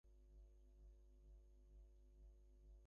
তারা লুট করা মালামাল একটি ট্রাকে তুলে গফরগাঁও থেকে ভালুকা যাচ্ছিল।